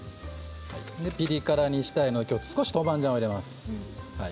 ピリ辛にしたいのできょうは少し豆板醤を入れます。